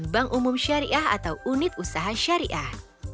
bank umum syariah atau unit usaha syariah